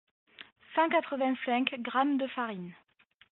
Cent-quatre-vingt-cinq grammes de farine.